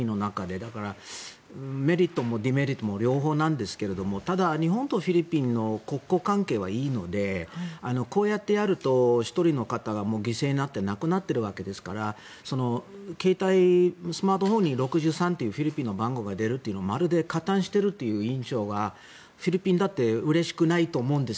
だから、メリットもデメリットも両方なんですがただ、日本とフィリピンの国交関係はいいのでこうやってやると１人の方が犠牲になって亡くなっているわけですからスマートフォンに６３というフィリピンの番号が出るというのはまるで加担しているという印象がフィリピンだってうれしくないと思うんです。